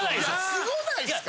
すごないっすか？